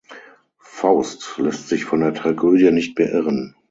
Faust lässt sich von der Tragödie nicht beirren.